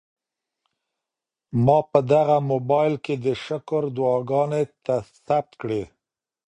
ما په دغه موبایل کي د شکر دعاګانې ثبت کړې.